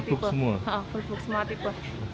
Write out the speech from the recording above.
full book semua tipe